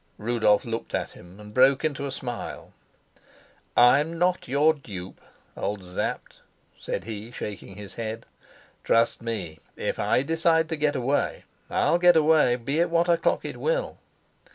Rudolf looked at him and broke into a smile. "I'm not your dupe, old Sapt," said he, shaking his head. "Trust me, if I decide to get away, I'll get away, be it what o'clock it will."